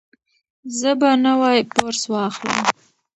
زه به نوی برس واخلم.